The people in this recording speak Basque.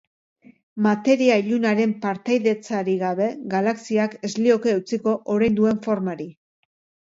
Materia ilunaren partaidetzarik gabe, galaxiak ez lioke eutsiko orain duen formari.